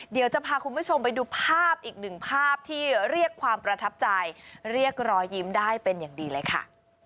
เดี๋ยวจะพาคุณผู้ชมไปดูภาพอีกหนึ่งภาพที่เรียกความประทับใจเรียกรอยยิ้มได้เป็นอย่างดีเลยค่ะ